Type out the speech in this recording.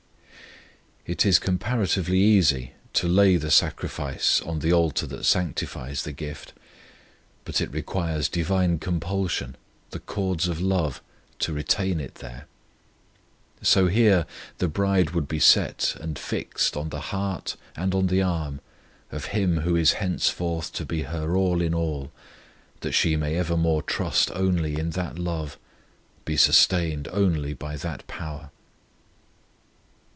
It is comparatively easy to lay the sacrifice on the altar that sanctifies the gift, but it requires divine compulsion the cords of love to retain it there. So here the bride would be set and fixed on the heart and on the arm of Him who is henceforth to be her all in all, that she may evermore trust only in that love, be sustained only by that power.